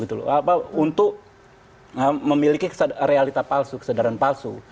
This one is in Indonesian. untuk memiliki realita palsu kesadaran palsu